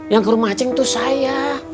yang ke rumah acing itu saya